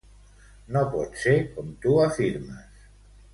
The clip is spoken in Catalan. No pot ser com tu afirmes.